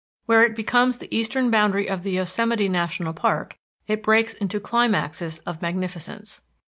Where it becomes the eastern boundary of the Yosemite National Park it breaks into climaxes of magnificence.